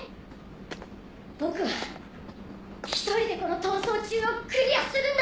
僕は一人でこの逃走中をクリアするんだ！